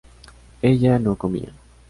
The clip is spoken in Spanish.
ella no comía